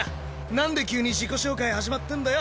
なんで急に自己紹介始まってんだよ